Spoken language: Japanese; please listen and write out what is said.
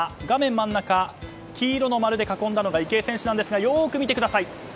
画面真ん中、黄色の丸で囲んだのが池江選手ですがよく見てください。